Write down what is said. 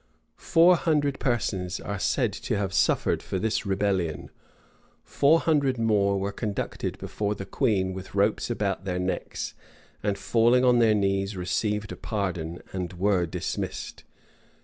[] Four hundred persons are said to have suffered for this rebellion:[] four hundred more were conducted before the queen with ropes about their necks: and falling on their knees, received a pardon, and were dismissed.